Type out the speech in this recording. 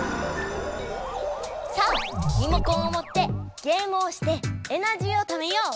さあリモコンをもってゲームをしてエナジーをためよう！